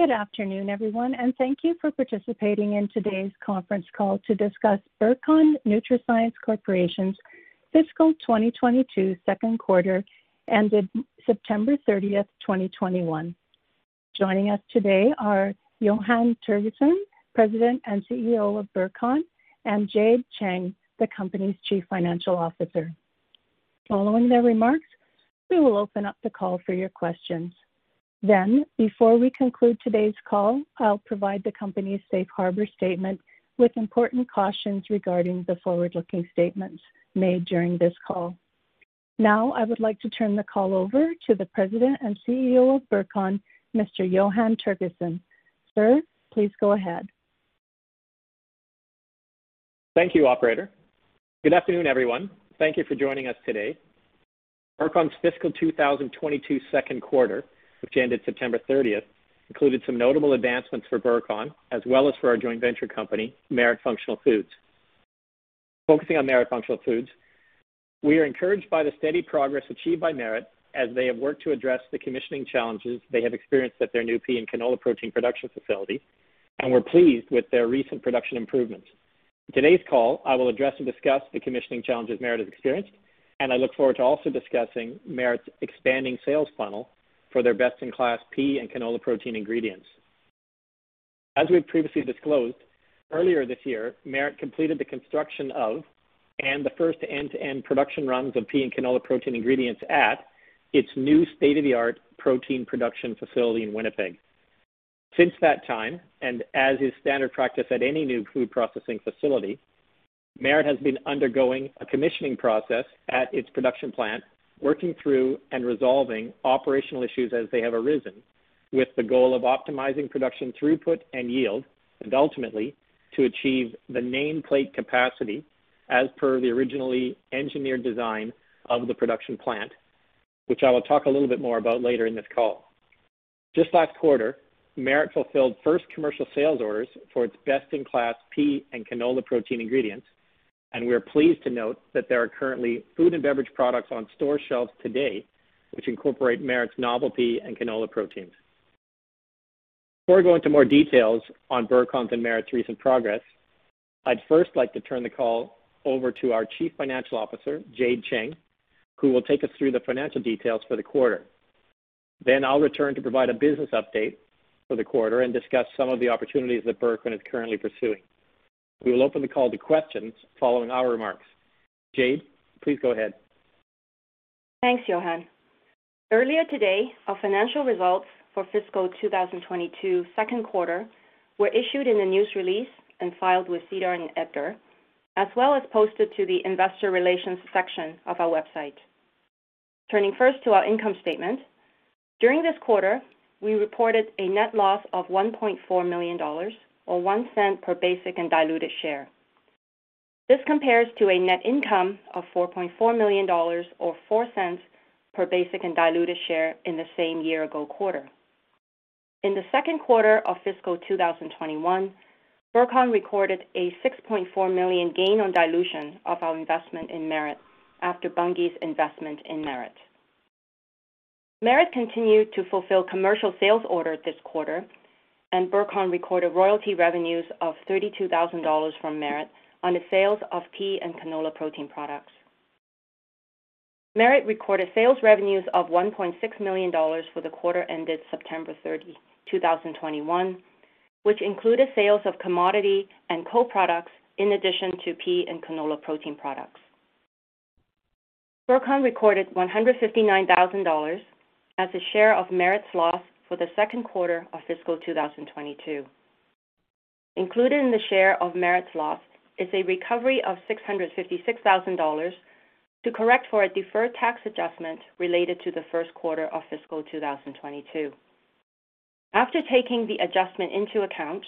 Good afternoon, everyone, and thank you for participating in today's conference call to discuss Burcon NutraScience Corporation's fiscal 2022 second quarter ended September 30, 2021. Joining us today are Johann Tergesen, President and CEO of Burcon, and Jade Cheng, the company's Chief Financial Officer. Following their remarks, we will open up the call for your questions. Before we conclude today's call, I'll provide the company's safe harbor statement with important cautions regarding the forward-looking statements made during this call. Now I would like to turn the call over to the President and CEO of Burcon, Mr. Johann Tergesen. Sir, please go ahead. Thank you, operator. Good afternoon, everyone. Thank you for joining us today. Burcon's fiscal 2022 second quarter, which ended September 30, included some notable advancements for Burcon as well as for our joint venture company, Merit Functional Foods. Focusing on Merit Functional Foods, we are encouraged by the steady progress achieved by Merit as they have worked to address the commissioning challenges they have experienced at their new pea and canola protein production facility, and we're pleased with their recent production improvements. In today's call, I will address and discuss the commissioning challenges Merit has experienced, and I look forward to also discussing Merit's expanding sales funnel for their best-in-class pea and canola protein ingredients. As we've previously disclosed, earlier this year, Merit completed the construction of, and the first end-to-end production runs of pea and canola protein ingredients at, its new state-of-the-art protein production facility in Winnipeg. Since that time, and as is standard practice at any new food processing facility, Merit has been undergoing a commissioning process at its production plant, working through and resolving operational issues as they have arisen with the goal of optimizing production throughput and yield, and ultimately to achieve the nameplate capacity as per the originally engineered design of the production plant, which I will talk a little bit more about later in this call. Just last quarter, Merit fulfilled first commercial sales orders for its best-in-class pea and canola protein ingredients, and we are pleased to note that there are currently food and beverage products on store shelves today which incorporate Merit's novel pea and canola proteins. Before I go into more details on Burcon's and Merit's recent progress, I'd first like to turn the call over to our Chief Financial Officer, Jade Cheng, who will take us through the financial details for the quarter. Then I'll return to provide a business update for the quarter and discuss some of the opportunities that Burcon is currently pursuing. We will open the call to questions following our remarks. Jade, please go ahead. Thanks, Johann. Earlier today, our financial results for fiscal 2022 second quarter were issued in a news release and filed with SEDAR and EDGAR, as well as posted to the investor relations section of our website. Turning first to our income statement, during this quarter, we reported a net loss of 1.4 million dollars or 0.01 per basic and diluted share. This compares to a net income of 4.4 million dollars or 0.04 per basic and diluted share in the same year-ago quarter. In the second quarter of fiscal 2021, Burcon recorded a 6.4 million gain on dilution of our investment in Merit after Bunge's investment in Merit. Merit continued to fulfill commercial sales orders this quarter, and Burcon recorded royalty revenues of 32,000 dollars from Merit on the sales of pea and canola protein products. Merit recorded sales revenues of 1.6 million dollars for the quarter ended September 30, 2021, which included sales of commodity and co-products in addition to pea and canola protein products. Burcon recorded 159,000 dollars as a share of Merit's loss for the second quarter of fiscal 2022. Included in the share of Merit's loss is a recovery of 656,000 dollars to correct for a deferred tax adjustment related to the first quarter of fiscal 2022. After taking the adjustment into account,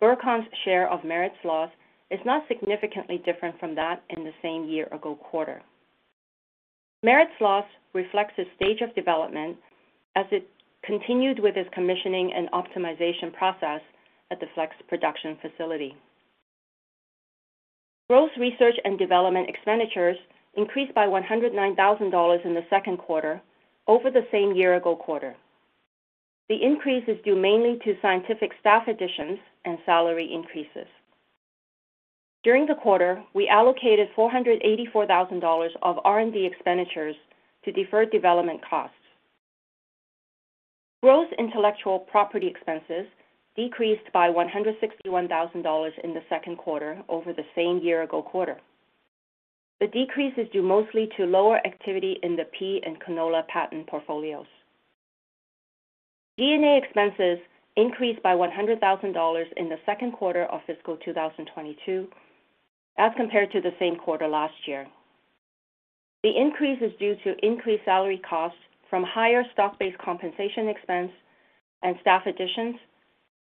Burcon's share of Merit's loss is not significantly different from that in the same year-ago quarter. Merit's loss reflects its stage of development as it continued with its commissioning and optimization process at the Flex Production Facility. Gross research and development expenditures increased by 109 thousand dollars in the second quarter over the same year-ago quarter. The increase is due mainly to scientific staff additions and salary increases. During the quarter, we allocated 484 thousand dollars of R&D expenditures to deferred development costs. Gross intellectual property expenses decreased by 161 thousand dollars in the second quarter over the same year-ago quarter. The decrease is due mostly to lower activity in the pea and canola patent portfolios. G&A expenses increased by 100 thousand dollars in the second quarter of fiscal 2022 as compared to the same quarter last year. The increase is due to increased salary costs from higher stock-based compensation expense and staff additions,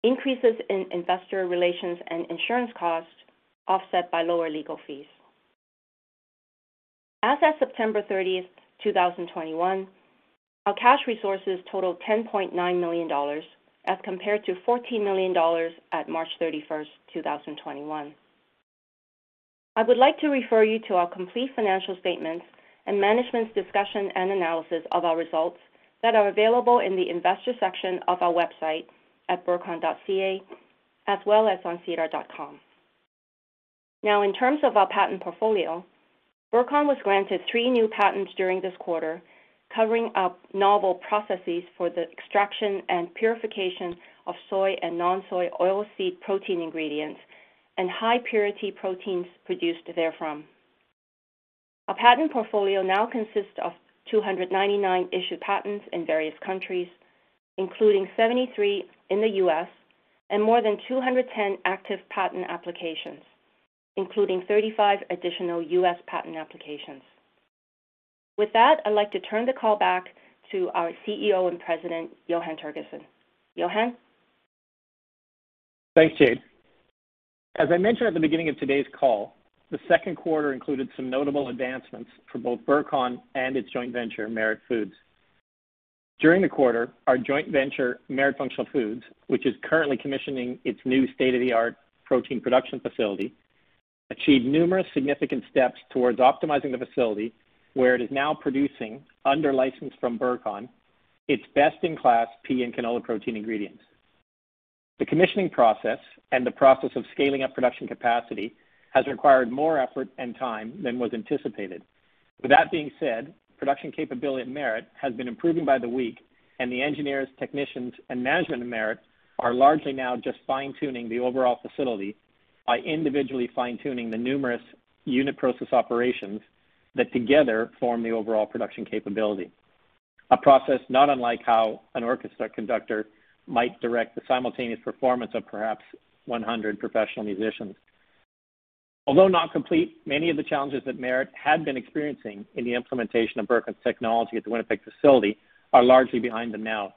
increases in investor relations and insurance costs, offset by lower legal fees. As of September 30, 2021, our cash resources totaled 10.9 million dollars as compared to 14 million dollars at March 31, 2021. I would like to refer you to our complete financial statements and management's discussion and analysis of our results that are available in the investor section of our website at burcon.ca, as well as on sedar.com. In terms of our patent portfolio, Burcon was granted 3 new patents during this quarter, covering novel processes for the extraction and purification of soy and non-soy oilseed protein ingredients and high purity proteins produced therefrom. Our patent portfolio now consists of 299 issued patents in various countries, including 73 in the U.S. and more than 210 active patent applications, including 35 additional U.S. patent applications. With that, I'd like to turn the call back to our CEO and President, Johann Tergesen. Johann? Thanks, Jade. As I mentioned at the beginning of today's call, the second quarter included some notable advancements for both Burcon and its joint venture, Merit Functional Foods. During the quarter, our joint venture, Merit Functional Foods, which is currently commissioning its new state-of-the-art protein production facility, achieved numerous significant steps towards optimizing the facility where it is now producing under license from Burcon, its best-in-class pea and canola protein ingredients. The commissioning process and the process of scaling up production capacity has required more effort and time than was anticipated. With that being said, production capability at Merit has been improving by the week, and the engineers, technicians, and management at Merit are largely now just fine-tuning the overall facility by individually fine-tuning the numerous unit process operations that together form the overall production capability. A process not unlike how an orchestra conductor might direct the simultaneous performance of perhaps 100 professional musicians. Although not complete, many of the challenges that Merit had been experiencing in the implementation of Burcon's technology at the Winnipeg facility are largely behind them now.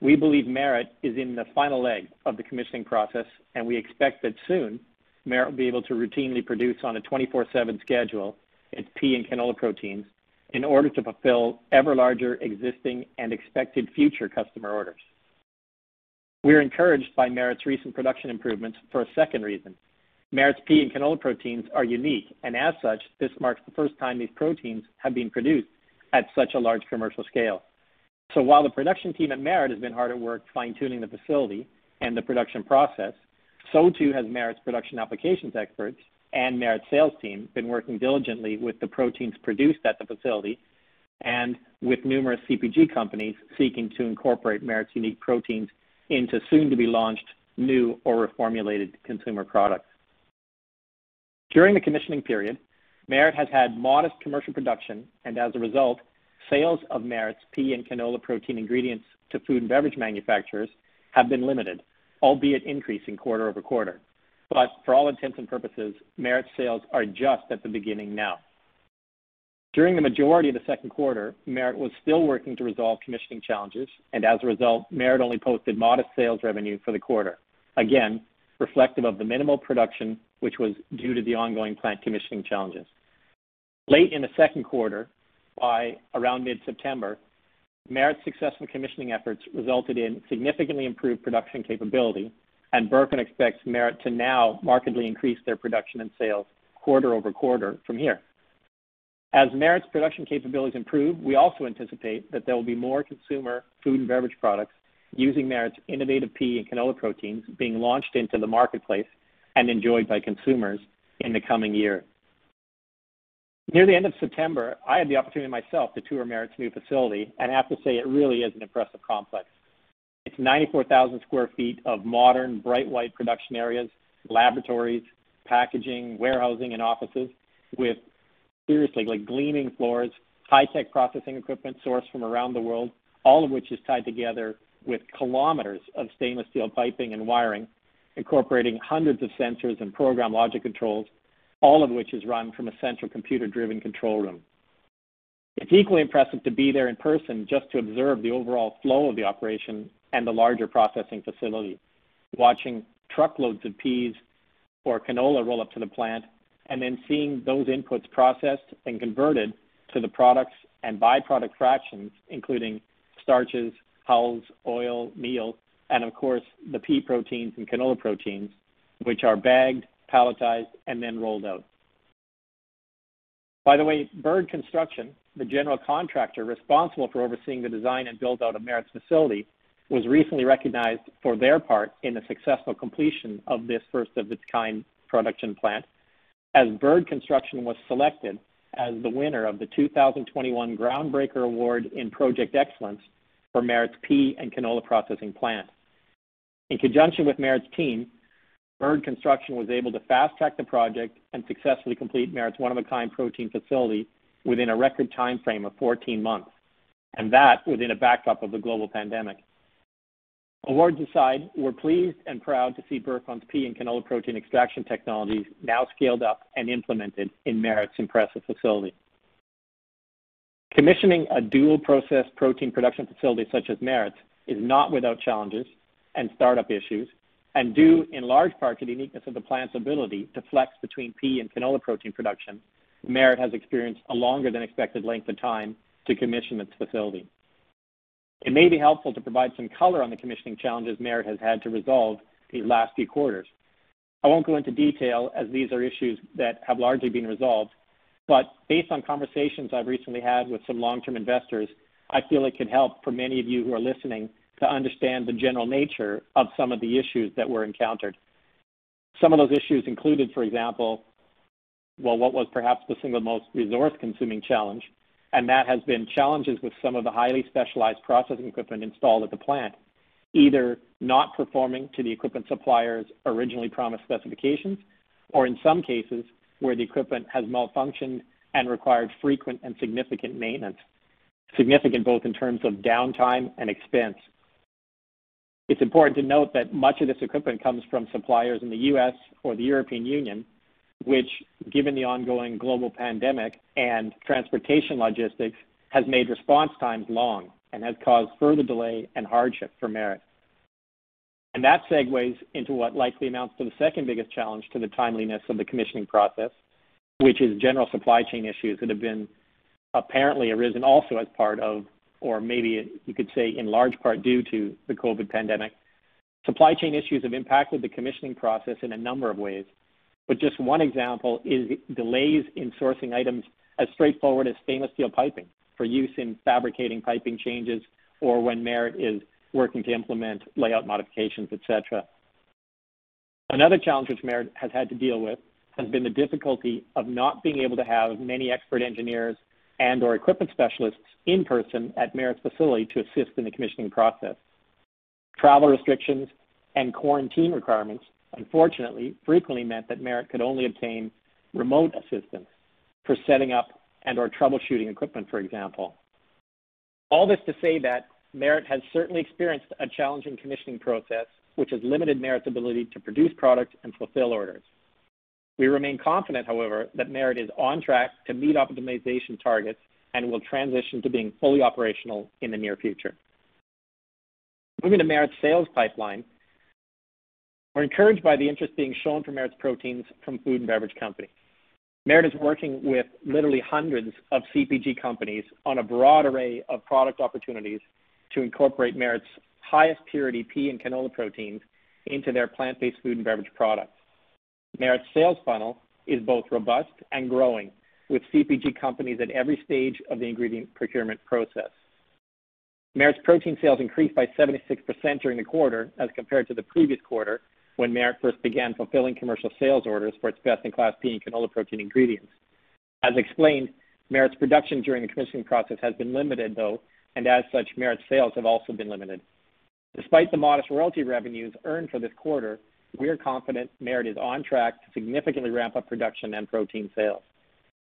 We believe Merit is in the final leg of the commissioning process, and we expect that soon Merit will be able to routinely produce on a 24/7 schedule its pea and canola proteins in order to fulfill ever larger existing and expected future customer orders. We are encouraged by Merit's recent production improvements for a second reason. Merit's pea and canola proteins are unique, and as such, this marks the first time these proteins have been produced at such a large commercial scale. While the production team at Merit has been hard at work fine-tuning the facility and the production process, so too has Merit's production applications experts and Merit's sales team been working diligently with the proteins produced at the facility and with numerous CPG companies seeking to incorporate Merit's unique proteins into soon-to-be-launched new or reformulated consumer products. During the commissioning period, Merit has had modest commercial production, and as a result, sales of Merit's pea and canola protein ingredients to food and beverage manufacturers have been limited, albeit increasing quarter-over-quarter. For all intents and purposes, Merit's sales are just at the beginning now. During the majority of the second quarter, Merit was still working to resolve commissioning challenges, and as a result, Merit only posted modest sales revenue for the quarter, again, reflective of the minimal production, which was due to the ongoing plant commissioning challenges. Late in the second quarter, by around mid-September, Merit's successful commissioning efforts resulted in significantly improved production capability, and Burcon expects Merit to now markedly increase their production and sales quarter-over-quarter from here. As Merit's production capabilities improve, we also anticipate that there will be more consumer food and beverage products using Merit's innovative pea and canola proteins being launched into the marketplace and enjoyed by consumers in the coming year. Near the end of September, I had the opportunity myself to tour Merit's new facility, and I have to say it really is an impressive complex. It's 94,000 sq ft of modern, bright white production areas, laboratories, packaging, warehousing, and offices with seriously gleaming floors, high-tech processing equipment sourced from around the world, all of which is tied together with kilometers of stainless steel piping and wiring, incorporating hundreds of sensors and program logic controls, all of which is run from a central computer-driven control room. It's equally impressive to be there in person just to observe the overall flow of the operation and the larger processing facility, watching truckloads of peas or canola roll up to the plant, and then seeing those inputs processed and converted to the products and byproduct fractions, including starches, hulls, oil, meal, and of course, the pea proteins and canola proteins, which are bagged, palletized, and then rolled out. By the way, Bird Construction, the general contractor responsible for overseeing the design and build out of Merit's facility, was recently recognized for their part in the successful completion of this first of its kind production plant. As Bird Construction was selected as the winner of the 2021 Groundbreaker Award in Project Excellence for Merit's pea and canola processing plant. In conjunction with Merit's team, Bird Construction was able to fast-track the project and successfully complete Merit's one of a kind protein facility within a record time frame of 14 months, and that within a backdrop of the global pandemic. Awards aside, we're pleased and proud to see Burcon's pea and canola protein extraction technologies now scaled up and implemented in Merit's impressive facility. Commissioning a dual process protein production facility such as Merit's is not without challenges and startup issues, and due in large part to the uniqueness of the plant's ability to flex between pea and canola protein production, Merit has experienced a longer than expected length of time to commission its facility. It may be helpful to provide some color on the commissioning challenges Merit has had to resolve these last few quarters. I won't go into detail as these are issues that have largely been resolved, but based on conversations I've recently had with some long-term investors, I feel it can help for many of you who are listening to understand the general nature of some of the issues that were encountered. Some of those issues included, for example, well, what was perhaps the single most resource-consuming challenge, and that has been challenges with some of the highly specialized processing equipment installed at the plant, either not performing to the equipment suppliers' originally promised specifications or in some cases where the equipment has malfunctioned and required frequent and significant maintenance, significant both in terms of downtime and expense. It's important to note that much of this equipment comes from suppliers in the U.S. or the European Union, which given the ongoing global pandemic and transportation logistics, has made response times long and has caused further delay and hardship for Merit. That segues into what likely amounts to the second biggest challenge to the timeliness of the commissioning process, which is general supply chain issues that have been apparently arisen also as part of or maybe you could say in large part due to the COVID pandemic. Supply chain issues have impacted the commissioning process in a number of ways. Just one example is delays in sourcing items as straightforward as stainless steel piping for use in fabricating piping changes or when Merit is working to implement layout modifications, et cetera. Another challenge which Merit has had to deal with has been the difficulty of not being able to have many expert engineers and/or equipment specialists in person at Merit's facility to assist in the commissioning process. Travel restrictions and quarantine requirements, unfortunately, frequently meant that Merit could only obtain remote assistance for setting up and/or troubleshooting equipment, for example. All this to say that Merit has certainly experienced a challenging commissioning process, which has limited Merit's ability to produce product and fulfill orders. We remain confident, however, that Merit is on track to meet optimization targets and will transition to being fully operational in the near future. Moving to Merit's sales pipeline. We're encouraged by the interest being shown for Merit's proteins from food and beverage companies. Merit is working with literally hundreds of CPG companies on a broad array of product opportunities to incorporate Merit's highest purity pea and canola proteins into their plant-based food and beverage products. Merit's sales funnel is both robust and growing, with CPG companies at every stage of the ingredient procurement process. Merit's protein sales increased by 76% during the quarter as compared to the previous quarter when Merit first began fulfilling commercial sales orders for its best-in-class pea and canola protein ingredients. As explained, Merit's production during the commissioning process has been limited, though, and as such, Merit's sales have also been limited. Despite the modest royalty revenues earned for this quarter, we are confident Merit is on track to significantly ramp up production and protein sales.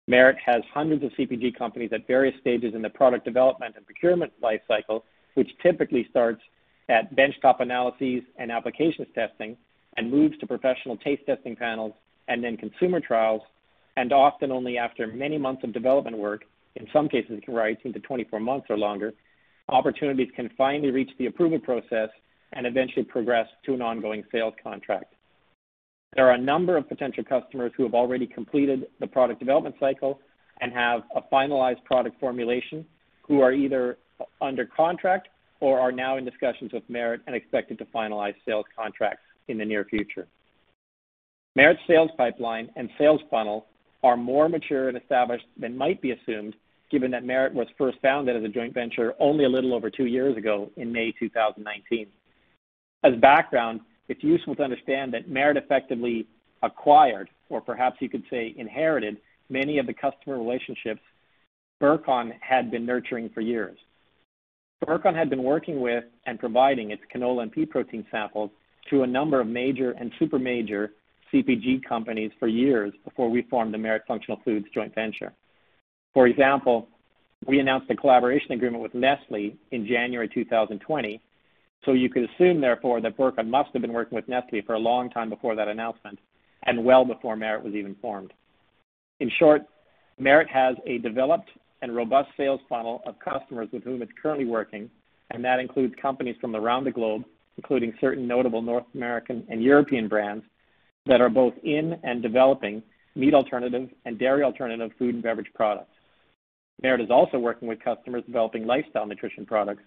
Merit has hundreds of CPG companies at various stages in the product development and procurement lifecycle, which typically starts at bench-top analyses and applications testing and moves to professional taste testing panels and then consumer trials. Often only after many months of development work, in some cases can vary 18-24 months or longer, opportunities can finally reach the approval process and eventually progress to an ongoing sales contract. There are a number of potential customers who have already completed the product development cycle and have a finalized product formulation who are either under contract or are now in discussions with Merit and expected to finalize sales contracts in the near future. Merit's sales pipeline and sales funnel are more mature and established than might be assumed, given that Merit was first founded as a joint venture only a little over two years ago in May 2019. As background, it's useful to understand that Merit effectively acquired, or perhaps you could say, inherited many of the customer relationships Burcon had been nurturing for years. Burcon had been working with and providing its canola and pea protein samples to a number of major and super major CPG companies for years before we formed the Merit Functional Foods joint venture. For example, we announced a collaboration agreement with Nestlé in January 2020. You could assume, therefore, that Burcon must have been working with Nestlé for a long time before that announcement and well before Merit was even formed. In short, Merit has a developed and robust sales funnel of customers with whom it's currently working, and that includes companies from around the globe, including certain notable North American and European brands that are both in and developing meat alternatives and dairy alternative food and beverage products. Merit is also working with customers developing lifestyle nutrition products.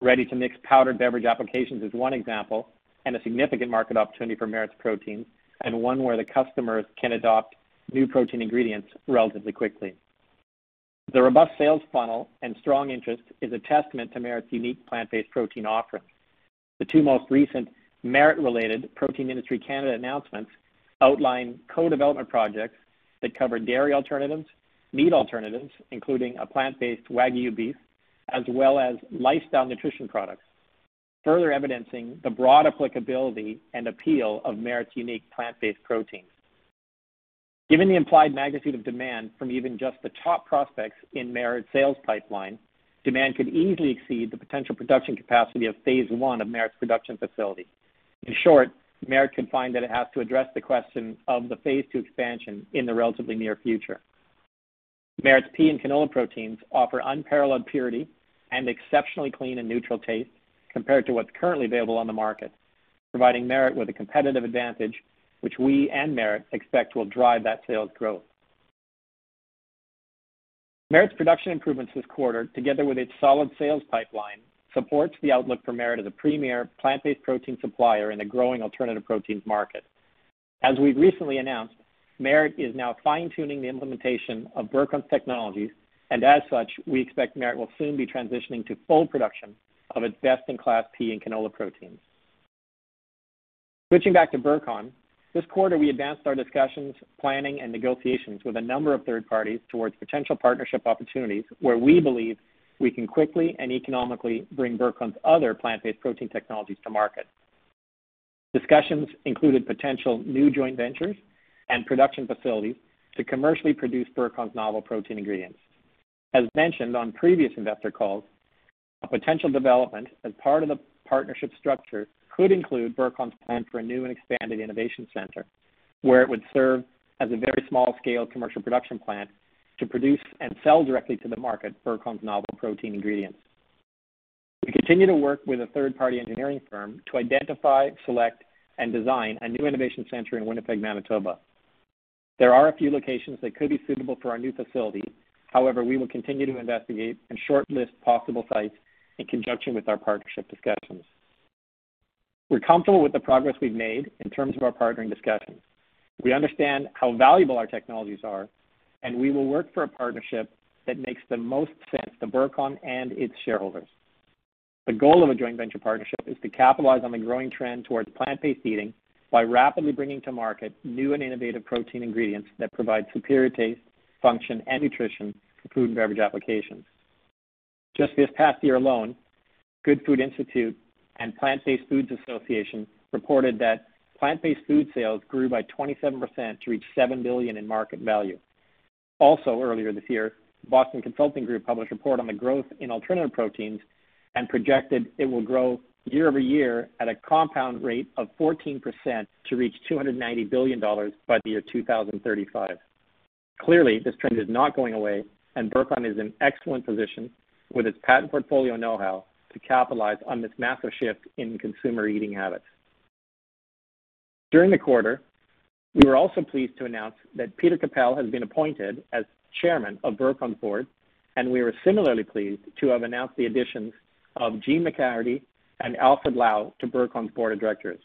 Ready-to-mix powdered beverage applications is one example and a significant market opportunity for Merit's proteins, and one where the customers can adopt new protein ingredients relatively quickly. The robust sales funnel and strong interest is a testament to Merit's unique plant-based protein offerings. The two most recent Merit-related Protein Industries Canada announcements outline co-development projects that cover dairy alternatives, meat alternatives, including a plant-based Wagyu beef, as well as lifestyle nutrition products, further evidencing the broad applicability and appeal of Merit's unique plant-based proteins. Given the implied magnitude of demand from even just the top prospects in Merit's sales pipeline, demand could easily exceed the potential production capacity of phase one of Merit's production facility. In short, Merit could find that it has to address the question of the phase two expansion in the relatively near future. Merit's pea and canola proteins offer unparalleled purity and exceptionally clean and neutral taste compared to what's currently available on the market, providing Merit with a competitive advantage, which we and Merit expect will drive that sales growth. Merit's production improvements this quarter, together with its solid sales pipeline, supports the outlook for Merit as a premier plant-based protein supplier in a growing alternative proteins market. As we've recently announced, Merit is now fine-tuning the implementation of Burcon's technologies, and as such, we expect Merit will soon be transitioning to full production of its best-in-class pea and canola proteins. Switching back to Burcon, this quarter we advanced our discussions, planning, and negotiations with a number of third parties towards potential partnership opportunities where we believe we can quickly and economically bring Burcon's other plant-based protein technologies to market. Discussions included potential new joint ventures and production facilities to commercially produce Burcon's novel protein ingredients. As mentioned on previous investor calls, a potential development as part of the partnership structure could include Burcon's plan for a new and expanded innovation center, where it would serve as a very small-scale commercial production plant to produce and sell directly to the market Burcon's novel protein ingredients. We continue to work with a third-party engineering firm to identify, select, and design a new innovation center in Winnipeg, Manitoba. There are a few locations that could be suitable for our new facility. However, we will continue to investigate and shortlist possible sites in conjunction with our partnership discussions. We're comfortable with the progress we've made in terms of our partnering discussions. We understand how valuable our technologies are, and we will work for a partnership that makes the most sense to Burcon and its shareholders. The goal of a joint venture partnership is to capitalize on the growing trend towards plant-based eating by rapidly bringing to market new and innovative protein ingredients that provide superior taste, function, and nutrition for food and beverage applications. Just this past year alone, Good Food Institute and Plant Based Foods Association reported that plant-based food sales grew by 27% to reach $7 billion in market value. Also earlier this year, Boston Consulting Group published a report on the growth in alternative proteins and projected it will grow year-over-year at a compound rate of 14% to reach $290 billion by the year 2035. Clearly, this trend is not going away, and Burcon is in excellent position with its patent portfolio know-how to capitalize on this massive shift in consumer eating habits. During the quarter, we were also pleased to announce that Peter Kappel has been appointed as chairman of Burcon's board, and we were similarly pleased to have announced the additions of Jeanne McCaherty and Alfred Lau to Burcon's board of directors.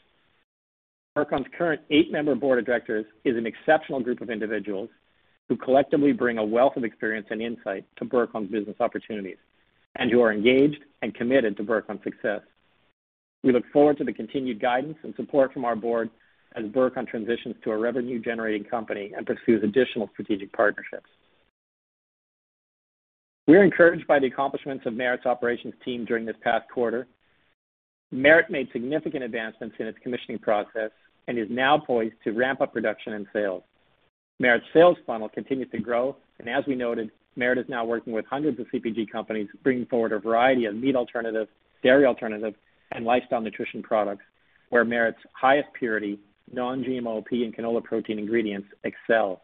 Burcon's current eight-member board of directors is an exceptional group of individuals who collectively bring a wealth of experience and insight to Burcon's business opportunities and who are engaged and committed to Burcon's success. We look forward to the continued guidance and support from our board as Burcon transitions to a revenue-generating company and pursues additional strategic partnerships. We are encouraged by the accomplishments of Merit's operations team during this past quarter. Merit made significant advancements in its commissioning process and is now poised to ramp up production and sales. Merit's sales funnel continues to grow. As we noted, Merit is now working with hundreds of CPG companies, bringing forward a variety of meat alternatives, dairy alternatives, and lifestyle nutrition products where Merit's highest purity non-GMO pea and canola protein ingredients excel.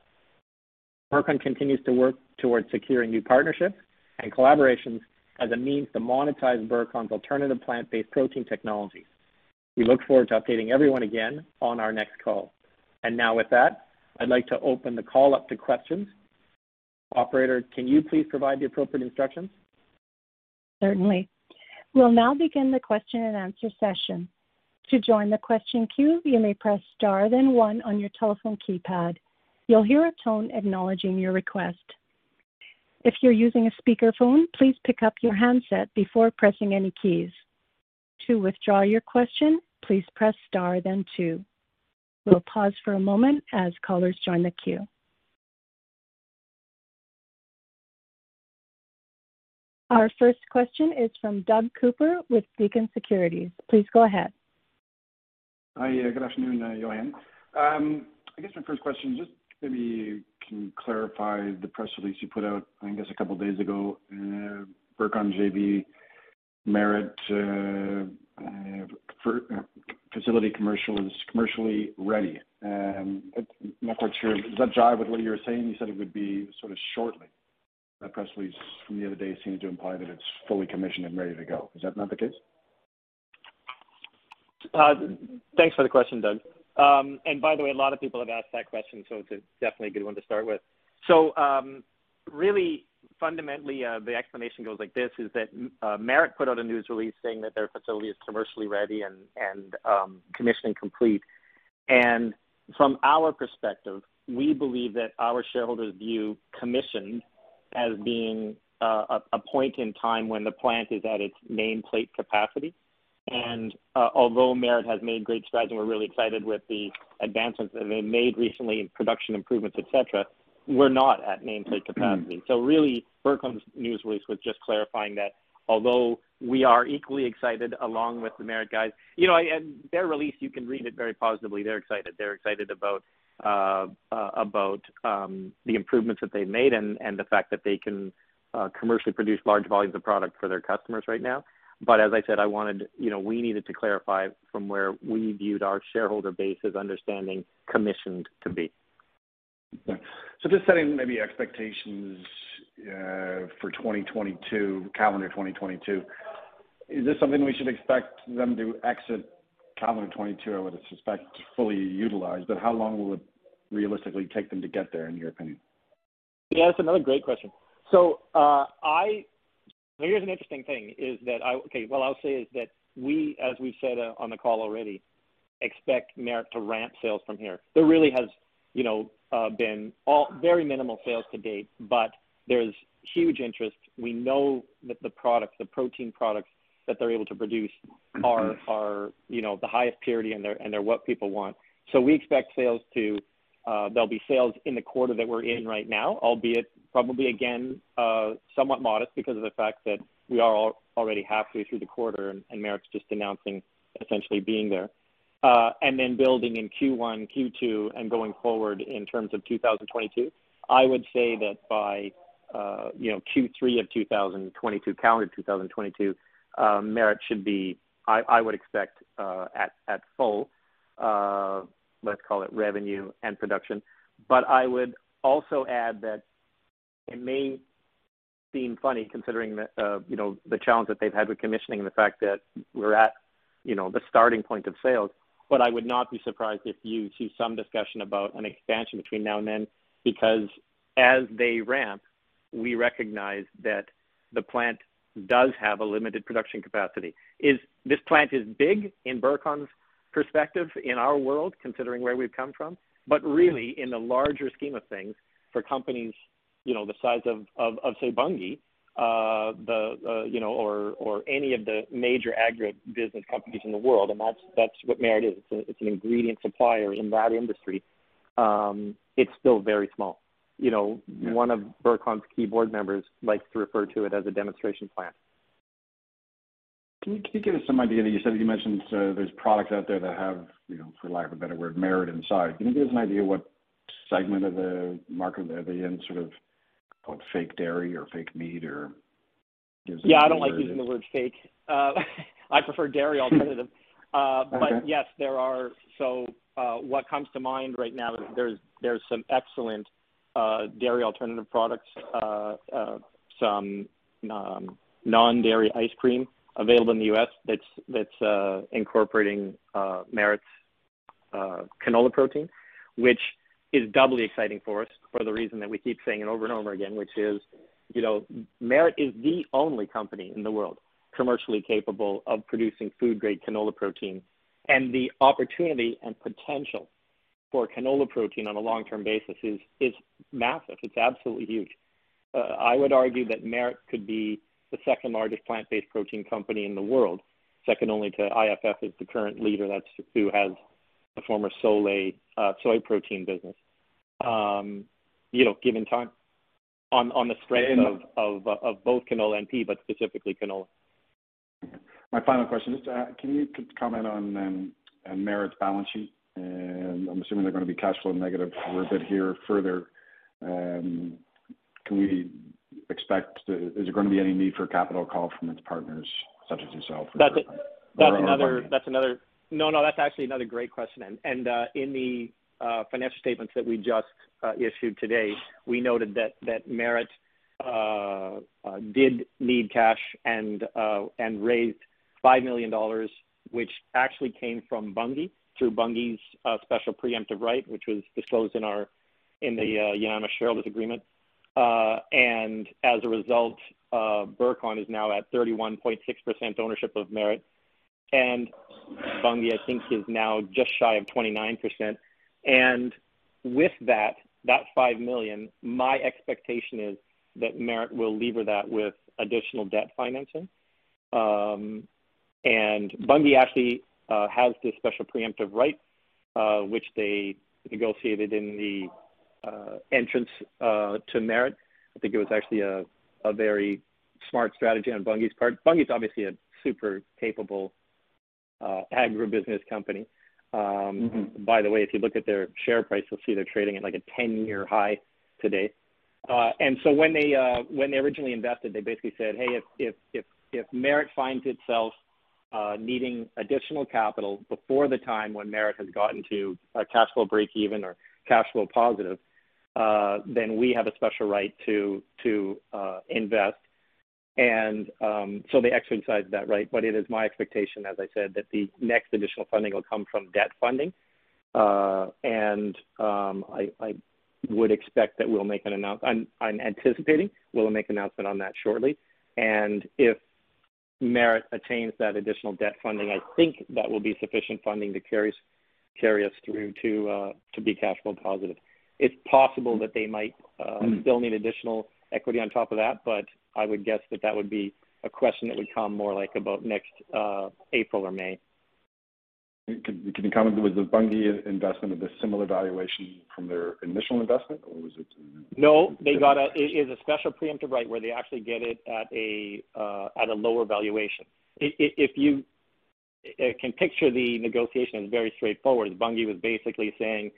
Burcon continues to work towards securing new partnerships and collaborations as a means to monetize Burcon's alternative plant-based protein technologies. We look forward to updating everyone again on our next call. Now with that, I'd like to open the call up to questions. Operator, can you please provide the appropriate instructions? Certainly. We'll now begin the question-and-answer session. To join the question queue, you may press star then one on your telephone keypad. You'll hear a tone acknowledging your request. If you're using a speakerphone, please pick up your handset before pressing any keys. To withdraw your question, please press star then two. We'll pause for a moment as callers join the queue. Our first question is from Doug Cooper with Beacon Securities. Please go ahead. Hi. Good afternoon, Johann. I guess my first question, just maybe can you clarify the press release you put out, I guess, a couple of days ago, Burcon JV, Merit facility is commercially ready. I'm not quite sure. Does that jive with what you were saying? You said it would be sort of shortly. That press release from the other day seemed to imply that it's fully commissioned and ready to go. Is that not the case? Thanks for the question, Doug. By the way, a lot of people have asked that question, so it's definitely a good one to start with. Really fundamentally, the explanation goes like this, is that, Merit put out a news release saying that their facility is commercially ready and commissioning complete. From our perspective, we believe that our shareholders view commissioning as being a point in time when the plant is at its nameplate capacity. Although Merit has made great strides, and we're really excited with the advancements that they've made recently in production improvements, et cetera, we're not at nameplate capacity. Really, Burcon's news release was just clarifying that although we are equally excited along with the Merit guys. You know, their release, you can read it very positively. They're excited. They're excited about the improvements that they've made and the fact that they can commercially produce large volumes of product for their customers right now. As I said, you know, we needed to clarify from where we viewed our shareholder base's understanding positioned to be. Okay. Just setting maybe expectations for 2022, calendar 2022. Is this something we should expect them to exit calendar 2022, I would suspect, fully utilized, but how long will it realistically take them to get there, in your opinion? Yeah, that's another great question. Here's an interesting thing. What I'll say is that we, as we've said on the call already, expect Merit to ramp sales from here. There really has, you know, been very minimal sales to date, but there's huge interest. We know that the products, the protein products that they're able to produce are, you know, the highest purity, and they're what people want. We expect sales to there'll be sales in the quarter that we're in right now, albeit probably, again, somewhat modest because of the fact that we are already halfway through the quarter, and Merit's just announcing essentially being there. And then building in Q1, Q2, and going forward in terms of 2022. I would say that by, you know, Q3 of 2022, calendar 2022, Merit should be, I would expect, at full, let's call it revenue and production. I would also add that it may seem funny considering the, you know, the challenge that they've had with commissioning and the fact that we're at, you know, the starting point of sales. I would not be surprised if you see some discussion about an expansion between now and then, because as they ramp, we recognize that the plant does have a limited production capacity. This plant is big in Burcon's perspective, in our world, considering where we've come from. Really, in the larger scheme of things, for companies, you know, the size of, say, Bunge, or any of the major agribusiness companies in the world, and that's what Merit is. It's an ingredient supplier in that industry. It's still very small. You know, one of Burcon's key board members likes to refer to it as a demonstration plant. Can you give us some idea? You said, you mentioned there's products out there that have, you know, for lack of a better word, Merit inside. Can you give us an idea what segment of the market are they in, sort of called fake dairy or fake meat or give us an idea where it is? Yeah, I don't like using the word fake. I prefer dairy alternative. Okay. Yes, there are. What comes to mind right now, there's some excellent dairy alternative products, some non-dairy ice cream available in the U.S. that's incorporating Merit's canola protein, which is doubly exciting for us for the reason that we keep saying it over and over again, which is, you know, Merit is the only company in the world commercially capable of producing food-grade canola protein. The opportunity and potential for canola protein on a long-term basis is massive. It's absolutely huge. I would argue that Merit could be the second-largest plant-based protein company in the world, second only to IFF, is the current leader, that's who has the former Solae soy protein business. You know, given time on the strength of both canola and pea, but specifically canola. My final question, just, can you comment on Merit's balance sheet? I'm assuming they're gonna be cash flow negative for a bit here further. Is there gonna be any need for capital call from its partners such as yourself or Bunge? No, that's actually another great question. In the financial statements that we just issued today, we noted that Merit did need cash and raised 5 million dollars, which actually came from Bunge through Bunge's special preemptive right, which was disclosed in our unanimous shareholders' agreement. As a result, Burcon is now at 31.6% ownership of Merit. Bunge, I think, is now just shy of 29%. With that 5 million, my expectation is that Merit will lever that with additional debt financing. Bunge actually has this special preemptive right, which they negotiated in the entry into Merit. I think it was actually a very smart strategy on Bunge's part. Bunge is obviously a super capable agribusiness company. By the way, if you look at their share price, you'll see they're trading at, like, a ten-year high today. When they originally invested, they basically said, Hey, if Merit finds itself needing additional capital before the time when Merit has gotten to a cash flow breakeven or cash flow positive, then we have a special right to invest. They exercised that right. It is my expectation, as I said, that the next additional funding will come from debt funding. I would expect that we'll make an announcement on that shortly. If Merit attains that additional debt funding, I think that will be sufficient funding to carry us through to be cash flow positive. It's possible that they might still need additional equity on top of that, but I would guess that that would be a question that would come more like about next April or May. Can you comment, was the Bunge investment of a similar valuation from their initial investment, or was it? No, it is a special preemptive right where they actually get it at a lower valuation. If you can picture the negotiation as very straightforward, Bunge was basically saying,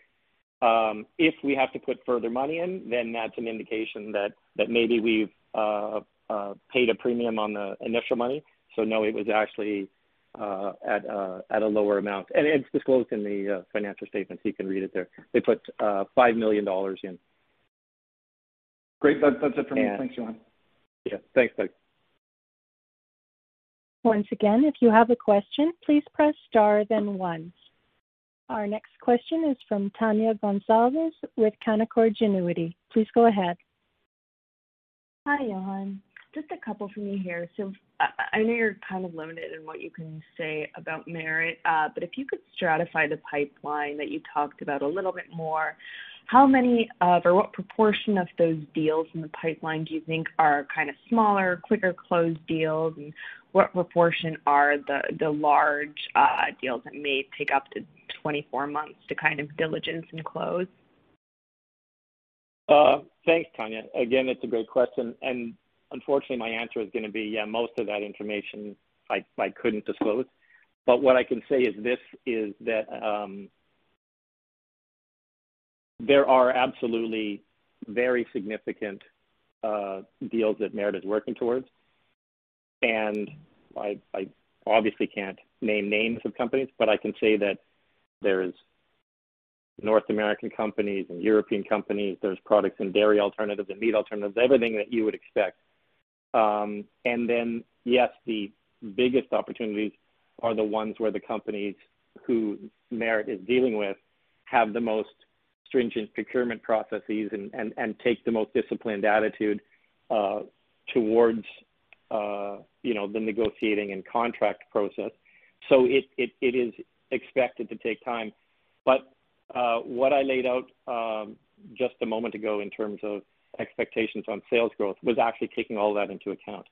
If we have to put further money in, then that's an indication that maybe we've paid a premium on the initial money. No, it was actually at a lower amount. It's disclosed in the financial statements. You can read it there. They put 5 million dollars in. Great. That's it for me. Yeah. Thanks, Johann. Yeah. Thanks, Doug. Once again, if you have a question, please press star then one. Our next question is from Tania Gonsalves with Canaccord Genuity. Please go ahead. Hi, Johann. Just a couple from me here. I know you're kind of limited in what you can say about Merit. But if you could stratify the pipeline that you talked about a little bit more, how many of or what proportion of those deals in the pipeline do you think are kind of smaller, quicker closed deals? And what proportion are the large deals that may take up to 24 months to kind of diligence and close? Thanks, Tania. Again, it's a great question, and unfortunately, my answer is gonna be, yeah, most of that information I couldn't disclose. But what I can say is that there are absolutely very significant deals that Merit is working towards. I obviously can't name names of companies, but I can say that there's North American companies and European companies, there's products in dairy alternatives and meat alternatives, everything that you would expect. And then, yes, the biggest opportunities are the ones where the companies who Merit is dealing with have the most stringent procurement processes and take the most disciplined attitude towards, you know, the negotiating and contract process. It is expected to take time. What I laid out just a moment ago in terms of expectations on sales growth was actually taking all that into account.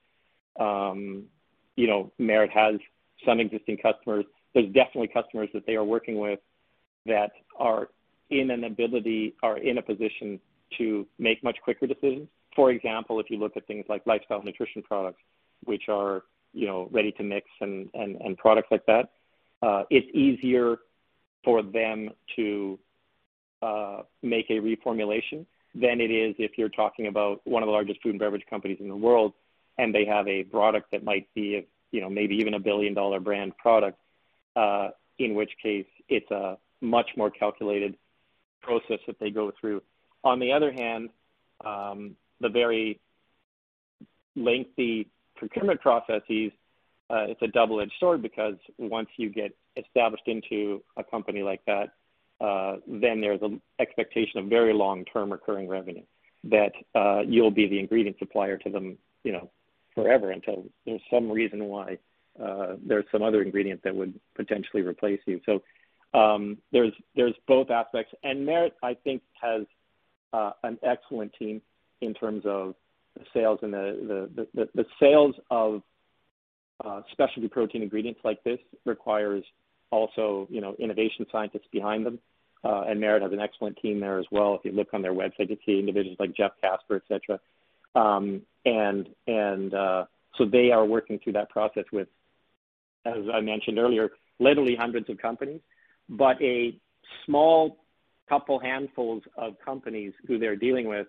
You know, Merit has some existing customers. There's definitely customers that they are working with that have the ability or are in a position to make much quicker decisions. For example, if you look at things like lifestyle nutrition products, which are, you know, ready to mix and products like that, it's easier for them to make a reformulation than it is if you're talking about one of the largest food and beverage companies in the world, and they have a product that might be, you know, maybe even a billion-dollar brand product, in which case it's a much more calculated process that they go through. On the other hand, the very lengthy procurement processes, it's a double-edged sword because once you get established into a company like that, then there's an expectation of very long-term recurring revenue that, you'll be the ingredient supplier to them, you know, forever until there's some reason why, there's some other ingredient that would potentially replace you. There's both aspects. Merit, I think, has an excellent team in terms of sales and the sales of specialty protein ingredients like this requires also, you know, innovation scientists behind them. Merit has an excellent team there as well. If you look on their website, you see individuals like Jeff Casper, et cetera. They are working through that process with, as I mentioned earlier, literally hundreds of companies. A small couple handfuls of companies who they're dealing with,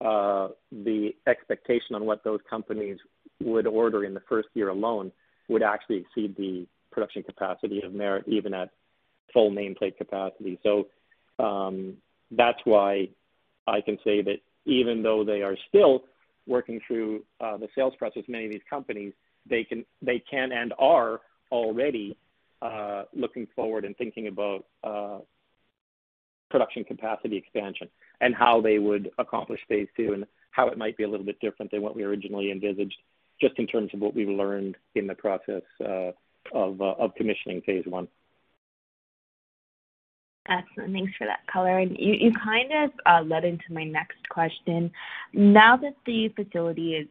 the expectation on what those companies would order in the first year alone would actually exceed the production capacity of Merit, even at full nameplate capacity. That's why I can say that even though they are still working through the sales process, many of these companies, they can and are already looking forward and thinking about production capacity expansion and how they would accomplish phase two and how it might be a little bit different than what we originally envisioned just in terms of what we've learned in the process of commissioning phase one. Excellent. Thanks for that color. You kind of led into my next question. Now that the facility is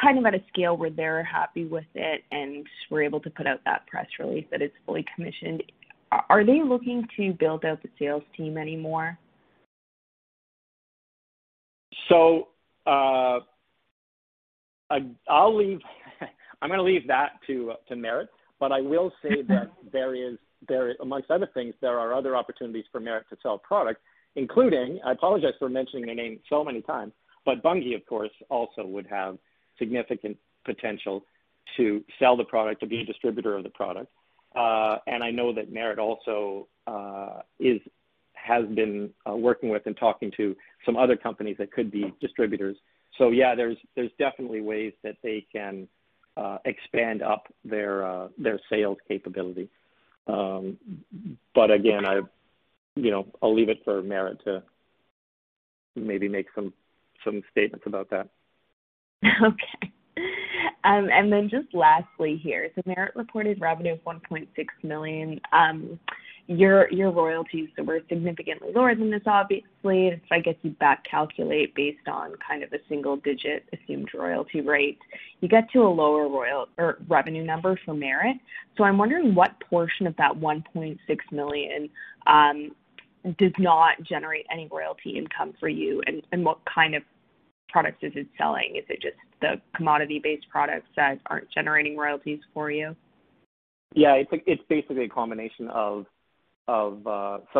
kind of at a scale where they're happy with it and were able to put out that press release that it's fully commissioned, are they looking to build out the sales team any more? I'll leave that to Merit. I will say that there are, among other things, other opportunities for Merit to sell product, including, I apologize for mentioning their name so many times, but Bunge, of course, also would have significant potential to sell the product, to be a distributor of the product. I know that Merit also has been working with and talking to some other companies that could be distributors. Yeah, there's definitely ways that they can expand upon their sales capability. Again, you know, I'll leave it for Merit to maybe make some statements about that. Okay. Just lastly here, Merit reported revenue of 1.6 million. Your royalties were significantly lower than this, obviously. If I guess you back calculate based on kind of a single digit assumed royalty rate, you get to a lower or revenue number for Merit. I'm wondering what portion of that 1.6 million does not generate any royalty income for you, and what kind of products is it selling? Is it just the commodity-based products that aren't generating royalties for you? Yeah. It's basically a combination of some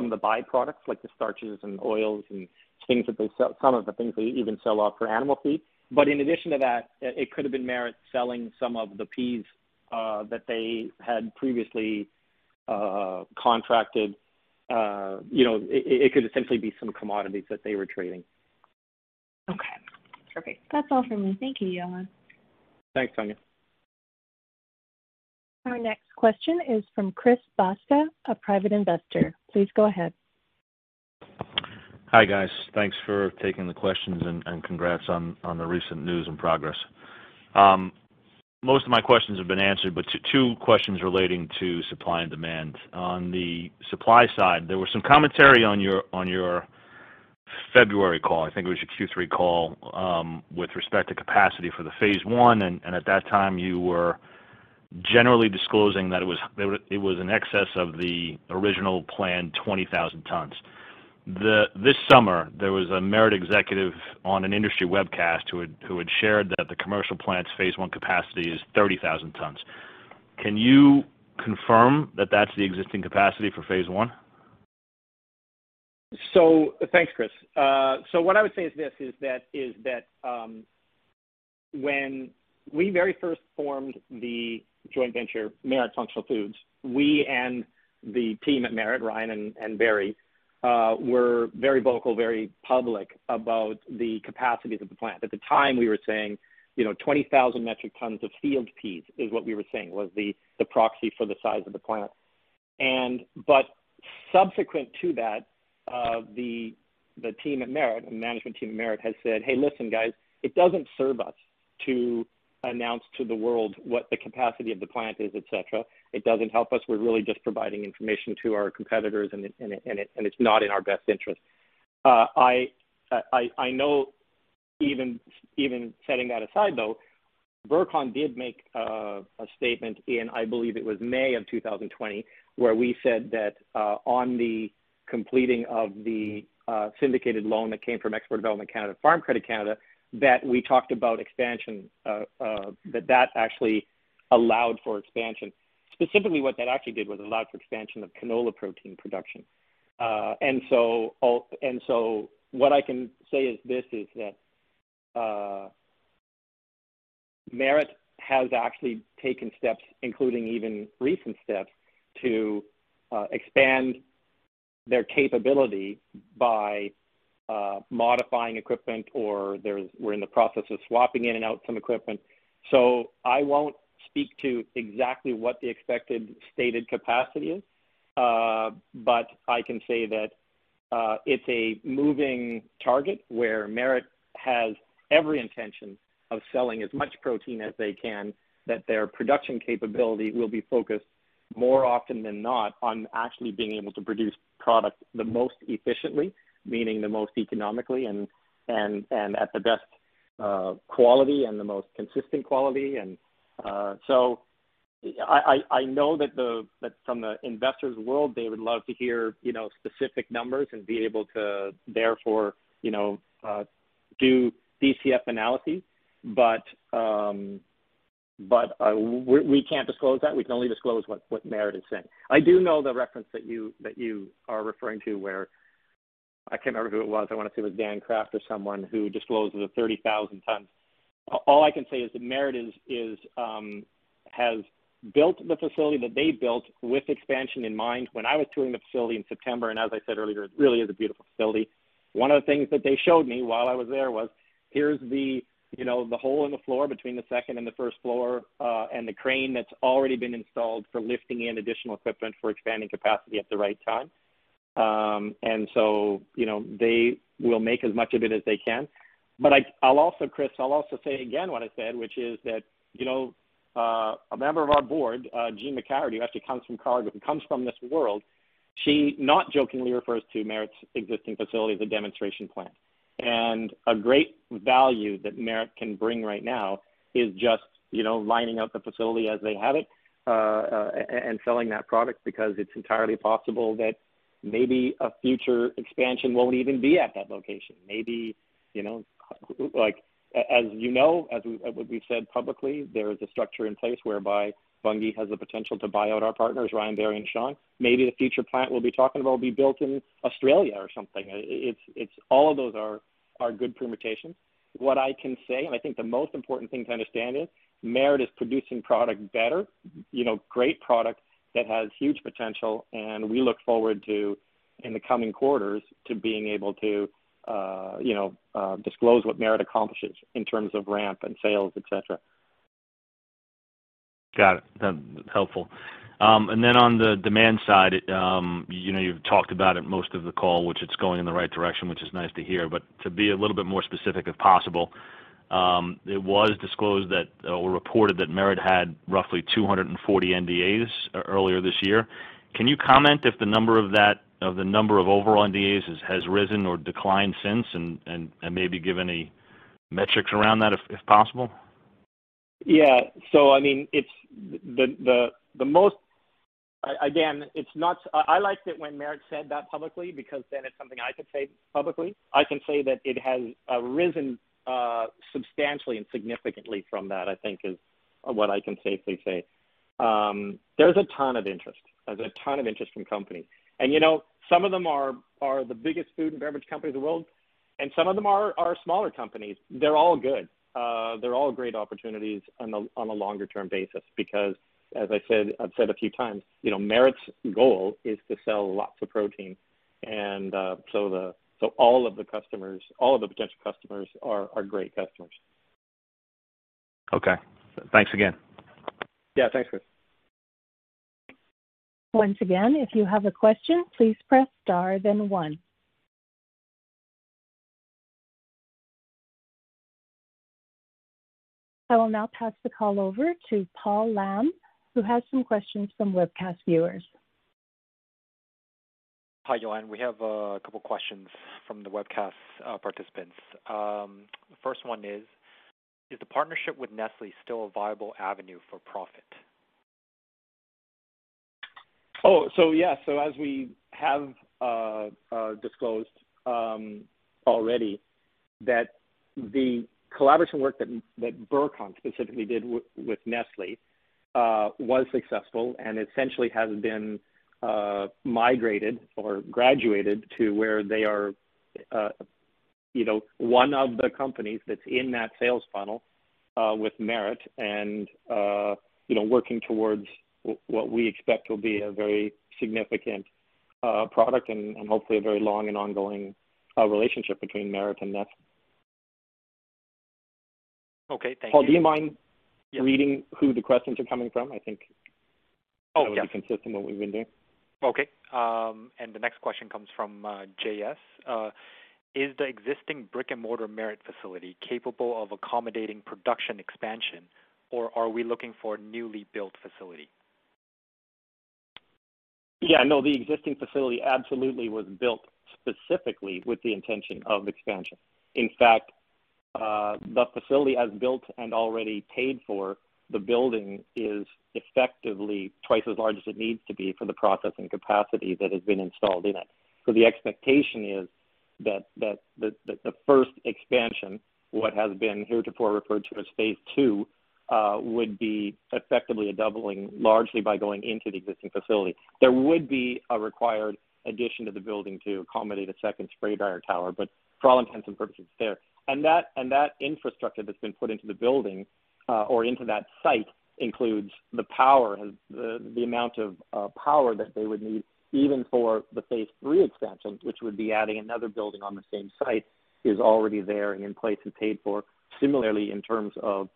of the by-products, like the starches and oils and things that they sell, some of the things they even sell off for animal feed. In addition to that, it could have been Merit selling some of the peas that they had previously contracted. You know, it could essentially be some commodities that they were trading. Okay, perfect. That's all for me. Thank you, Johann. Thanks, Tania. Our next question is from Chris Bosca, a private investor. Please go ahead. Hi, guys. Thanks for taking the questions and congrats on the recent news and progress. Most of my questions have been answered, but two questions relating to supply and demand. On the supply side, there was some commentary on your February call, I think it was your Q3 call, with respect to capacity for the phase one. At that time, you were generally disclosing that it was in excess of the original planned 20,000 tons. This summer, there was a Merit executive on an industry webcast who had shared that the commercial plant's phase one capacity is 30,000 tons. Can you confirm that that's the existing capacity for phase one? Thanks, Chris. What I would say is that when we very first formed the joint venture, Merit Functional Foods, we and the team at Merit, Ryan and Barry, were very vocal, very public about the capacities of the plant. At the time, we were saying, you know, 20,000 metric tons of field peas is what we were saying was the proxy for the size of the plant. Subsequent to that, the team at Merit, the management team at Merit had said, Hey, listen, guys, it doesn't serve us to announce to the world what the capacity of the plant is, et cetera. It doesn't help us. We're really just providing information to our competitors, and it's not in our best interest. I know even setting that aside, though, Burcon did make a statement in, I believe it was May of 2020, where we said that, on the completion of the syndicated loan that came from Export Development Canada, Farm Credit Canada, that we talked about expansion, that actually allowed for expansion. Specifically, what that actually did was allow for expansion of canola protein production. And so what I can say is this, that, Merit has actually taken steps, including even recent steps, to expand their capability by modifying equipment or we're in the process of swapping in and out some equipment. I won't speak to exactly what the expected stated capacity is. I can say that it's a moving target where Merit has every intention of selling as much protein as they can, that their production capability will be focused more often than not on actually being able to produce product the most efficiently, meaning the most economically and at the best quality and the most consistent quality. I know that from the investors' world, they would love to hear, you know, specific numbers and be able to therefore, you know, do DCF analyses. We can't disclose that. We can only disclose what Merit is saying. I do know the reference that you are referring to where I can't remember who it was. I wanna say it was Dan Kraft or someone who disclosed the 30,000 tons. All I can say is that Merit has built the facility that they built with expansion in mind. When I was touring the facility in September, and as I said earlier, it really is a beautiful facility. One of the things that they showed me while I was there was here's the you know the hole in the floor between the second and the first floor and the crane that's already been installed for lifting in additional equipment for expanding capacity at the right time. You know, they will make as much of it as they can. I’ll also, Chris, say again what I said, which is that, you know, a member of our board, Jeanne McCaherty, who actually comes from Cargill, who comes from this world, she, not jokingly, refers to Merit’s existing facility as a demonstration plant. A great value that Merit can bring right now is just, you know, lining up the facility as they have it, and selling that product because it’s entirely possible that maybe a future expansion won’t even be at that location. Maybe, you know, like, as you know, as we’ve said publicly, there is a structure in place whereby Bunge has the potential to buy out our partners, Ryan, Barry, and Sean. Maybe the future plant we’ll be talking about will be built in Australia or something. All of those are good permutations. What I can say, and I think the most important thing to understand is Merit is producing product better, you know, great product that has huge potential, and we look forward to, in the coming quarters, to being able to, you know, disclose what Merit accomplishes in terms of ramp and sales, et cetera. Got it. That's helpful. On the demand side, you know, you've talked about it most of the call, which it's going in the right direction, which is nice to hear. To be a little bit more specific, if possible, it was disclosed that or reported that Merit had roughly 240 NDAs earlier this year. Can you comment if the number of overall NDAs has risen or declined since and maybe give any metrics around that if possible? I mean, I liked it when Merit said that publicly because then it's something I could say publicly. I can say that it has risen substantially and significantly from that. I think is what I can safely say. There's a ton of interest from companies. You know, some of them are the biggest food and beverage companies in the world. Some of them are smaller companies. They're all good. They're all great opportunities on a longer-term basis, because as I said, I've said a few times, you know, Merit's goal is to sell lots of protein. All of the customers, all of the potential customers are great customers. Okay. Thanks again. Yeah, thanks, Chris. Once again, if you have a question, please press star then one. I will now pass the call over to Paul Lam, who has some questions from webcast viewers. Hi, Johann. We have a couple questions from the webcast participants. First one is the partnership with Nestlé still a viable avenue for profit? As we have disclosed already that the collaboration work that Burcon specifically did with Nestlé was successful and essentially has been migrated or graduated to where they are you know one of the companies that's in that sales funnel with Merit and you know working towards what we expect will be a very significant product and hopefully a very long and ongoing relationship between Merit and Nestlé. Okay. Thank you. Paul, do you mind. Yeah. Reading who the questions are coming from? I think. Oh, yeah. That would be consistent with what we've been doing. Okay. The next question comes from JS. Is the existing brick-and-mortar Merit facility capable of accommodating production expansion, or are we looking for a newly built facility? Yeah, no, the existing facility absolutely was built specifically with the intention of expansion. In fact, the facility as built and already paid for, the building is effectively twice as large as it needs to be for the processing capacity that has been installed in it. So the expectation is that the first expansion, what has been heretofore referred to as phase two, would be effectively a doubling, largely by going into the existing facility. There would be a required addition to the building to accommodate a second spray dryer tower, but for all intents and purposes, it's there. That infrastructure that's been put into the building, or into that site, includes the power, the amount of power that they would need even for the phase three expansion, which would be adding another building on the same site, is already there and in place and paid for. Similarly, in terms of,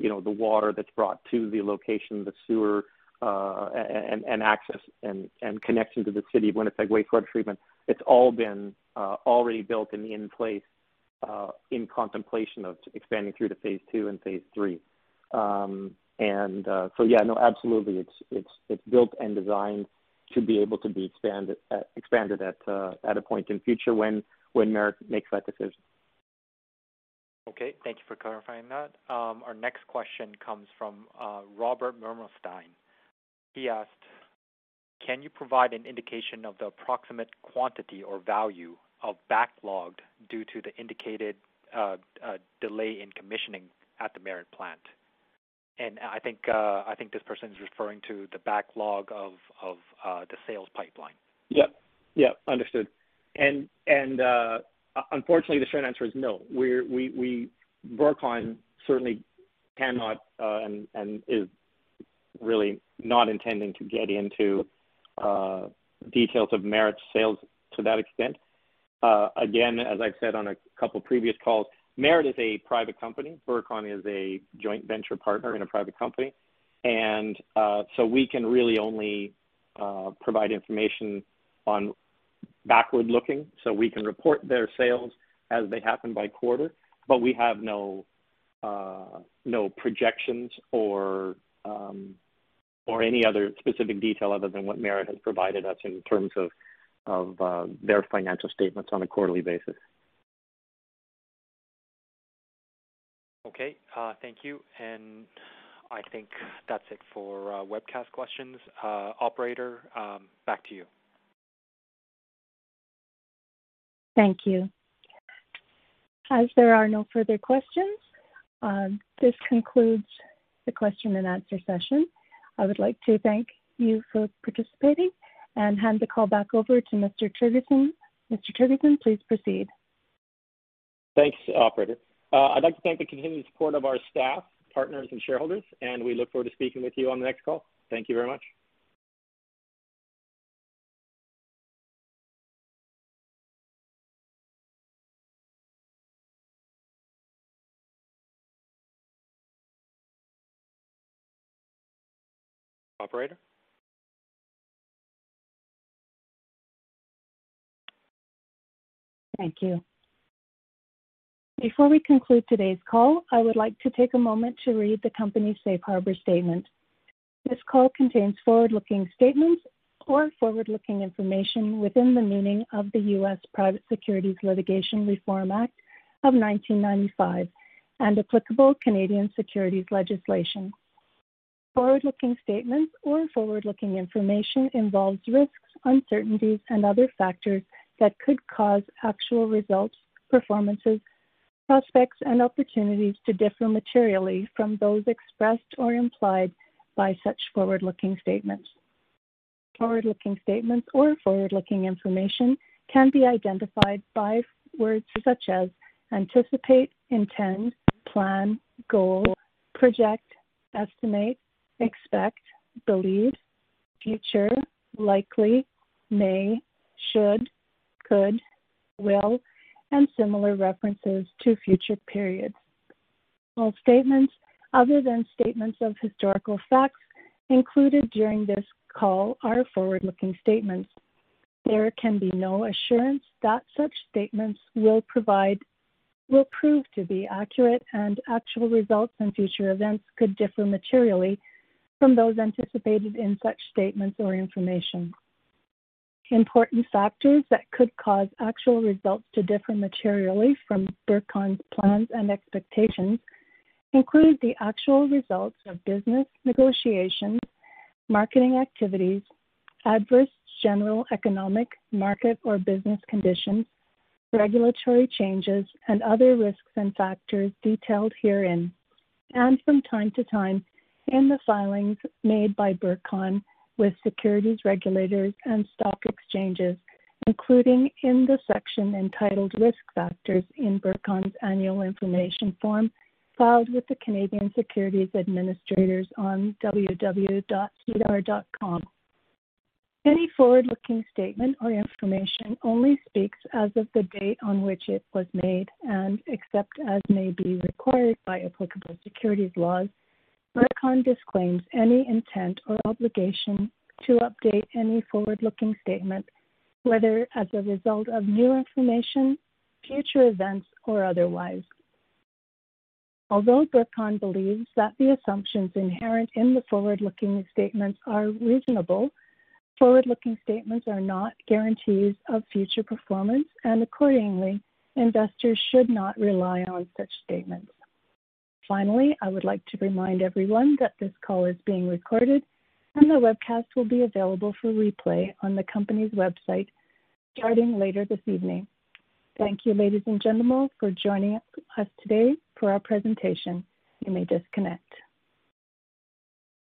you know, the water that's brought to the location, the sewer, and access and connection to the City of Winnipeg wastewater treatment, it's all been already built and in place, in contemplation of expanding through to phase two and phase three. Yeah, no, absolutely. It's built and designed to be able to be expanded at a point in future when Merit makes that decision. Okay, thank you for clarifying that. Our next question comes from Robert Mermelstein. He asked, Can you provide an indication of the approximate quantity or value of backlog due to the indicated delay in commissioning at the Merit plant? I think this person is referring to the backlog of the sales pipeline. Yep, understood. Unfortunately, the short answer is no. Burcon certainly cannot and is really not intending to get into details of Merit's sales to that extent. Again, as I've said on a couple of previous calls, Merit is a private company. Burcon is a joint venture partner in a private company. We can really only provide information on backward-looking. We can report their sales as they happen by quarter, but we have no projections or any other specific detail other than what Merit has provided us in terms of their financial statements on a quarterly basis. Okay, thank you. I think that's it for webcast questions. Operator, back to you. Thank you. As there are no further questions, this concludes the question and answer session. I would like to thank you for participating and hand the call back over to Mr. Tergesen. Mr. Tergesen, please proceed. Thanks, operator. I'd like to thank the continued support of our staff, partners, and shareholders, and we look forward to speaking with you on the next call. Thank you very much. Operator? Thank you. Before we conclude today's call, I would like to take a moment to read the company's safe harbor statement. This call contains forward-looking statements or forward-looking information within the meaning of the U.S. Private Securities Litigation Reform Act of 1995 and applicable Canadian securities legislation. Forward-looking statements or forward-looking information involves risks, uncertainties, and other factors that could cause actual results, performances, prospects, and opportunities to differ materially from those expressed or implied by such forward-looking statements. Forward-looking statements or forward-looking information can be identified by words such as anticipate, intend, plan, goal, project, estimate, expect, believe, future, likely, may, should, could, will, and similar references to future periods. All statements other than statements of historical facts included during this call are forward-looking statements. There can be no assurance that such statements will prove to be accurate, and actual results and future events could differ materially from those anticipated in such statements or information. Important factors that could cause actual results to differ materially from Burcon's plans and expectations include the actual results of business negotiations, marketing activities, adverse general economic market or business conditions, regulatory changes, and other risks and factors detailed herein, and from time to time in the filings made by Burcon with securities regulators and stock exchanges, including in the section entitled Risk Factors in Burcon's annual information form filed with the Canadian Securities Administrators on www.sedar.com. Any forward-looking statement or information only speaks as of the date on which it was made. Except as may be required by applicable securities laws, Burcon disclaims any intent or obligation to update any forward-looking statement, whether as a result of new information, future events, or otherwise. Although Burcon believes that the assumptions inherent in the forward-looking statements are reasonable, forward-looking statements are not guarantees of future performance, and accordingly, investors should not rely on such statements. Finally, I would like to remind everyone that this call is being recorded and the webcast will be available for replay on the company's website starting later this evening. Thank you, ladies and gentlemen, for joining us today for our presentation. You may disconnect.